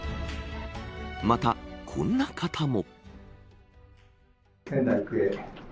また、こんな方も。